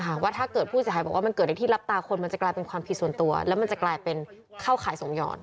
ว่าถ้าเกิดผู้เสียหายบอกว่ามันเกิดในที่รับตาคนมันจะกลายเป็นความผิดส่วนตัวแล้วมันจะกลายเป็นเข้าขายส่งหย่อน